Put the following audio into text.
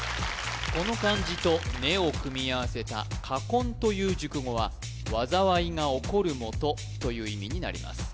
この漢字と「根」を組み合わせた禍根という熟語はわざわいが起こるもとという意味になります